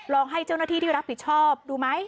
ให้เจ้าหน้าที่ที่รับผิดชอบดูไหม